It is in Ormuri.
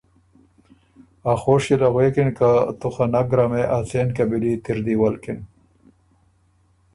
ا خوشيې له غوېکِن که تو خه نک ګرمې ا څېن قبيلي ت اِر دی ولکِن